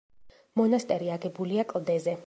მონასტერი აგებულია კლდეზე.